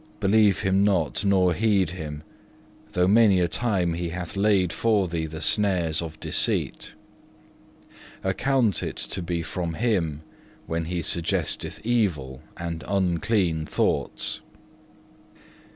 Believe him not, nor heed him, though many a time he hath laid for thee the snares of deceit. Account it to be from him, when he suggesteth evil and unclean thoughts.